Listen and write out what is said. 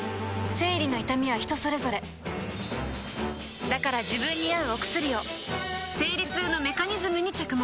生理の痛みは人それぞれだから自分に合うお薬を生理痛のメカニズムに着目